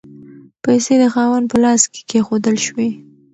پیسې د خاوند په لاس کې کیښودل شوې.